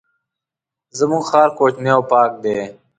زمونږ ښار کوچنی او پاک دی.